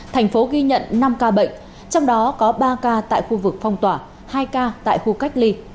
thành phố ghi nhận năm ca bệnh trong đó có ba ca tại khu vực phong tỏa hai ca tại khu cách ly